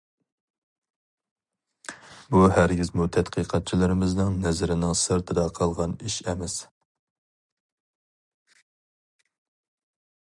بۇ ھەرگىزمۇ تەتقىقاتچىلىرىمىزنىڭ نەزىرىنىڭ سىرتىدا قالغان ئىش ئەمەس.